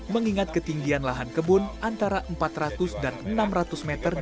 mengingat ketinggian lahan kebun antara empat ratus dan enam ratus meter